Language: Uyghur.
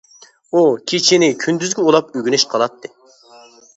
ئۇ كېچىنى كۈندۈزگە ئۇلاپ ئۆگىنىش قىلاتتى.